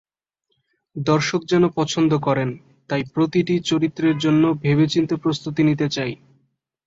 দর্শক যেন পছন্দ করেন, তাই প্রতিটি চরিত্রের জন্য ভেবেচিন্তে প্রস্তুতি নিতে চাই।